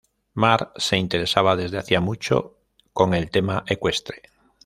Marc se interesaba desde hacía mucho con el tema ecuestre.